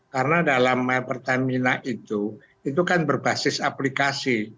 karena dalam my pertamina itu itu kan berbasis aplikasi